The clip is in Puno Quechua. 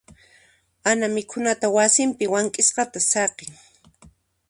Ana mikhunata wasinpi wank'isqata saqin.